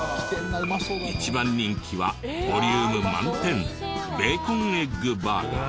一番人気はボリューム満点ベーコンエッグバーガー。